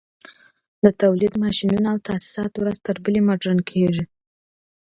د تولید ماشینونه او تاسیسات ورځ تر بلې مډرن کېږي